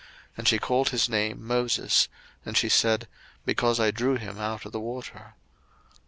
And she called his name Moses: and she said, Because I drew him out of the water.